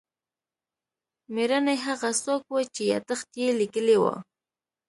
مېړنی هغه څوک و چې یادښت یې لیکلی و.